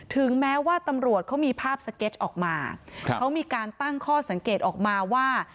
ถึงแม้ว่าตำรวจเขามีภาพสเก็ตออกมาเขามีการตั้งข้อสังเกตออกมาว่า